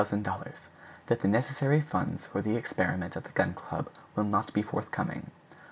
—That the necessary funds for the experiment of the Gun Club will not be forthcoming.